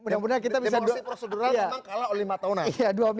demokrasi prosedural memang kalah lima tahun aja